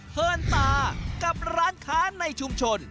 เพลินตากับร้านค้าในชุมชน